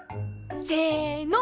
せの。